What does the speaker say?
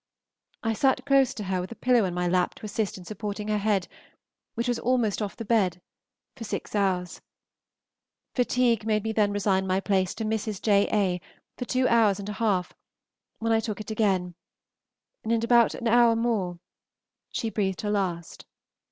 I sat close to her with a pillow in my lap to assist in supporting her head, which was almost off the bed, for six hours; fatigue made me then resign my place to Mrs. J. A. for two hours and a half, when I took it again, and in about an hour more she breathed her last.